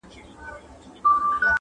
يو نغمه ګره نقاسي کومه ښه کوومه,